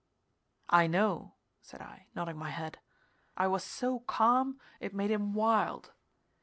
"I know," said I, nodding my head. I was so calm it made him wild.